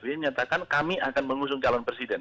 pak jokowi menyatakan kami akan mengusung calon presiden